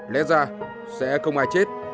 lẽ ra sẽ không ai chết